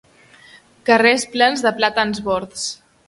Carrers plens de plàtans bords.